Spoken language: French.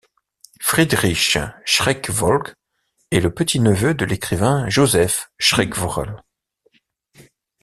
Friedrich Schreyvogl est le petit-neveu de l'écrivain Joseph Schreyvogel.